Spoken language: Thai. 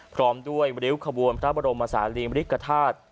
พร้อมด้วยริ้วขบวนพระบรมศาลีมริกฐาตุ